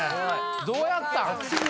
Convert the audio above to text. どうやったん？